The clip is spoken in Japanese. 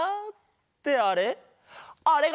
ってあれ？